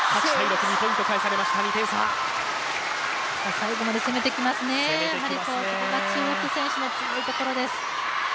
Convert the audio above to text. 最後まで攻めてきますね、やはりこれが中国選手の強いところです。